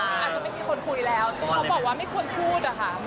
อาจจะไม่มีคนคุยแล้วซึ่งเขาบอกว่าไม่ควรพูดอะค่ะ